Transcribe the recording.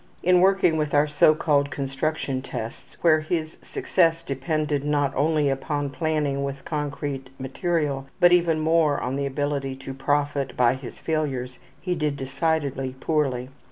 In working with our so called construction tests, where his success depended not only upon planning with concrete material, but even more on the ability to profit by his failures, he did decidedly poorly.